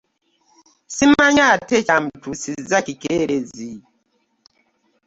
Ssimanyi ate kyamutuusizza kikeerezi.